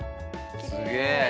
すげえ！